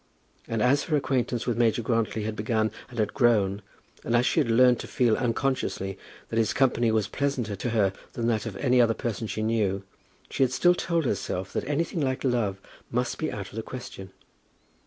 And as her acquaintance with Major Grantly had begun and had grown, and as she had learned to feel unconsciously that his company was pleasanter to her than that of any other person she knew, she had still told herself that anything like love must be out of the question.